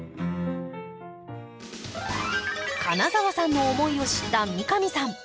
金澤さんの思いを知った三上さん。